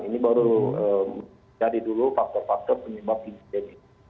ini baru jadi dulu faktor faktor penyebab insiden ini